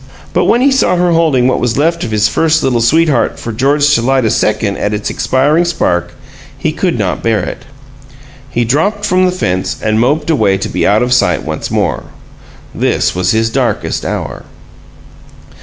But when he saw her holding what was left of the first Little Sweetheart for George to light a second at its expiring spark, he could not bear it. He dropped from the fence and moped away to be out of sight once more. This was his darkest hour.